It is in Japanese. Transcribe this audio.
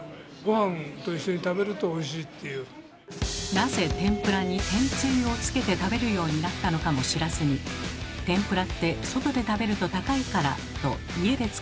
なぜ天ぷらに天つゆをつけて食べるようになったのかも知らずに「天ぷらって外で食べると高いから」と家で作り始めたものの。